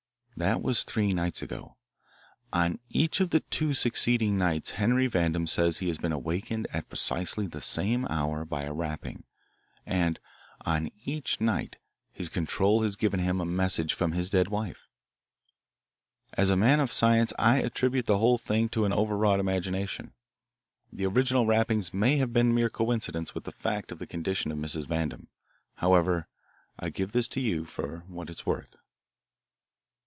"That was three nights ago. On each of the two succeeding nights Henry Vandam says he has been awakened at precisely the same hour by a rapping, and on each night his 'control' has given him a message from his dead wife. As a man of science, I attribute the whole thing to an overwrought imagination. The original rappings may have been a mere coincidence with the fact of the condition of Mrs. Vandam. However, I give this to you for what it is worth."